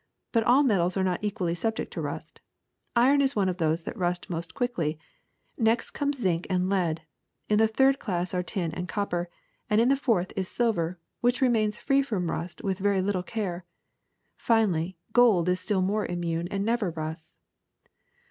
But all metals are not equally subject to rust. Iron is one of those that rust most quickly; next come zinc and lead; in the third class are tin and copper ; and in the fourth is silver, which remains free from rust with very little care; finally, gold is still more immune and never rusts.